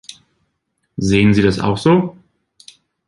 Sehen Sie das auch so?